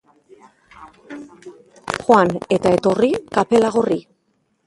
Joan eta etorri kapela gorri.